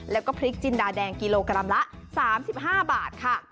แล้วก็พริกจินดาแดงกิโลกรัมละ๓๕บาทค่ะ